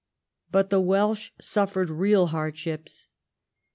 But the Welsh suffered real hard ships.